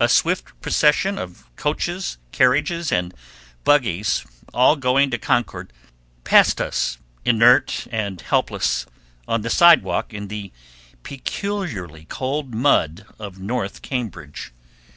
A swift procession of coaches, carriages, and buggies, all going to Concord, passed us, inert and helpless, on the sidewalk in the peculiarly cold mud of North Cambridge.